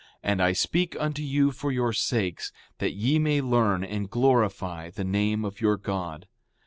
And I speak unto you for your sakes, that ye may learn and glorify the name of your God.